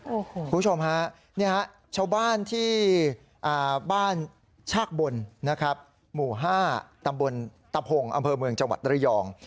คุณผู้ชมฮะนี่ฮะชาวบ้านที่บ้านชากบลหมู่๕ตำบลตับห่งอำเภอเมืองจนรยอง